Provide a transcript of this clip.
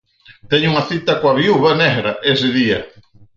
Teño unha cita coa Viúva Negra ese día.